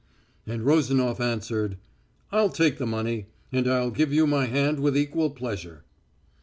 And Rozanof answered: "I'll take the money, and I'll give you my hand with equal pleasure."